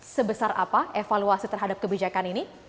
sebesar apa evaluasi terhadap kebijakan ini